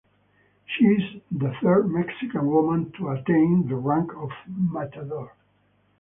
She is the third Mexican woman to attain the rank of "matador".